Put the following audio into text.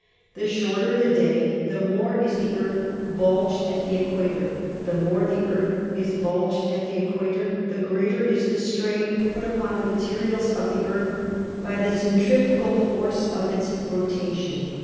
The shorter the day the more is the Earth bulged at the equa tor ; the more the Earth is bulged at the equator the greater is the strain put upon the materials of the Earth by the centrifugal force of its rotation.